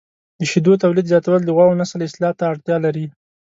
د شیدو تولید زیاتول د غواوو نسل اصلاح ته اړتیا لري.